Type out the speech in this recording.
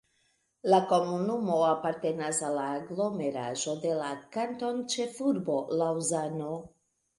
La komunumo apartenas al la aglomeraĵo de la kantonĉefurbo Laŭzano.